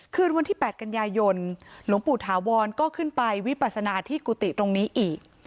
คืนวันที่๘กันยายนหลวงปู่ถาวรก็ขึ้นไปวิปัสนาที่กุฏิตรงนี้อีก